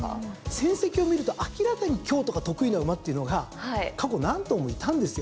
成績を見ると明らかに京都が得意な馬っていうのが過去何頭もいたんですよ。